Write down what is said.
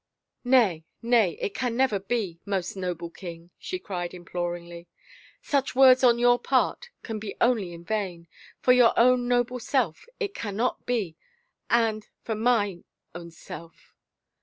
" Nay — nay, it can never be, most noble king," she cried, imploringly. " Such words on your part can be only in vain. ... For your own noble self it cannot be — and for mine own self."